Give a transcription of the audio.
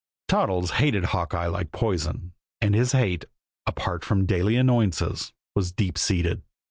Toddles hated Hawkeye like poison; and his hate, apart from daily annoyances, was deep seated.